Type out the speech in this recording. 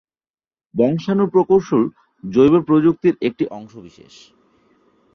বংশাণু প্রকৌশল জৈব প্রযুক্তির একটি অংশবিশেষ।